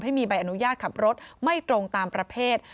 มีใบอนุญาตขับรถไม่ตรงตามประเภท